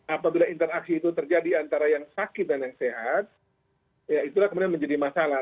apabila interaksi itu terjadi antara yang sakit dan yang sehat ya itulah kemudian menjadi masalah